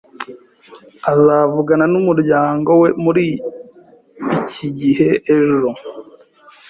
Azavugana numuryango we muri iki gihe ejo